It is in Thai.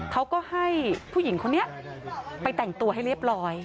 เขาก็ให้ผู้หญิงคนนี้ไปแต่งตัวให้เรียบร้อย